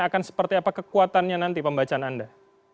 akan seperti apa kekuatannya nanti pembacaan anda